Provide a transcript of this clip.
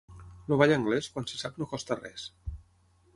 El ball anglès, quan se sap no costa res.